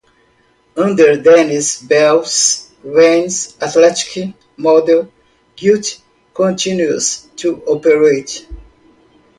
Under Dennis Bell's reins, Athletic Model Guild continues to operate.